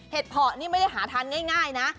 เพาะนี่ไม่ได้หาทานง่ายนะ